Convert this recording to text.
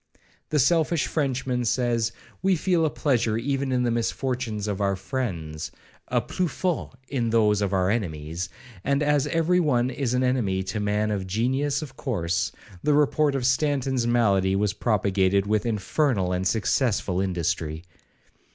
The selfish Frenchman1 says, we feel a pleasure even in the misfortunes of our friends,'—a plus forte in those of our enemies; and as every one is an enemy to a man of genius of course, the report of Stanton's malady was propagated with infernal and successful industry.